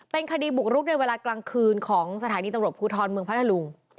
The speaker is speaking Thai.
เป็นคดีบุกรุกในเวลากลางคืนของสถานีตำรวจภูทรเมืองพัทธลุง